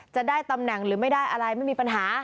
จะได้ตำแหน่งหรือไม่ได้อะไรไม่มีปัญหา